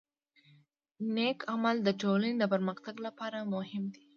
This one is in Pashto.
نیک عمل د ټولنې د پرمختګ لپاره مهم دی.